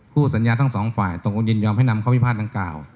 คู่สัญญาทั้ง๒ฝ่ายตกลงยินยอมให้นำข้อพิพาททั้ง๙